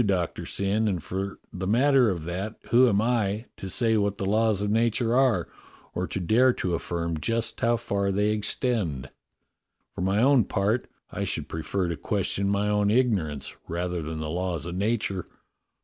Doctor Syn, and for the matter of that who am I, to say what the laws of nature are, or to dare to affirm just how far they extend.^ For my own part, I should prefer to question my own ignorance rather than the laws of nature."